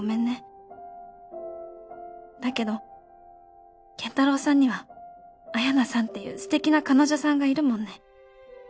「だけど健太郎さんには彩奈さんっていう素敵な彼女さんがいるもんね」